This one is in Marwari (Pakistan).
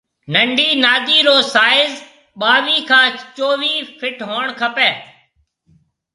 ننڊِي نادِي رو سائز ٻاوِي کان چويھ فٽ ھوڻ کپيَ